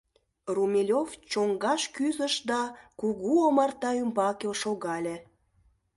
Румелёв чоҥгаш кӱзыш да кугу омарта ӱмбаке шогале.